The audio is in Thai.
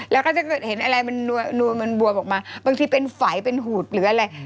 แล้วก็จะเห็นอะไรมันบวบออกมาบางทีเป็นไฝเป็นหูดหรืออะไร